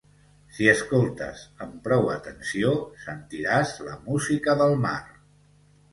Si escoltes amb prou atenció, sentiràs la música del mar.